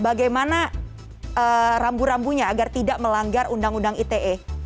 bagaimana rambu rambunya agar tidak melanggar undang undang ite